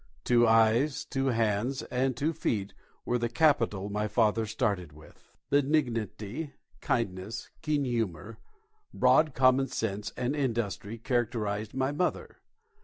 Two eyes, two hands, and two feet were the capital my father started with. Benignity, kindness, keen humour, broad common sense and industry characterised my mother.